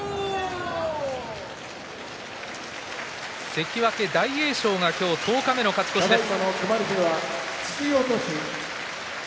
関脇大栄翔が今日十日目の勝ち越しです。